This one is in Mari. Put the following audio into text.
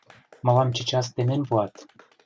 Мылам чечас темен пуат.